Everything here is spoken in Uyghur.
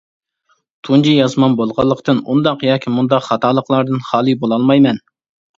تۇنجى يازمام بولغانلىقتىن ئۇنداق ياكى مۇنداق خاتالىقلاردىن خالىي بولالمايمەن.